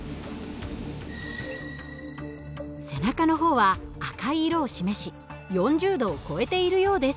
背中の方は赤い色を示し４０℃を超えているようです。